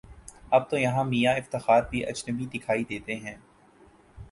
اب تویہاں میاں افتخار بھی اجنبی دکھائی دیتے ہیں۔